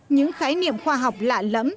những khái niệm khoa học lạ lẫm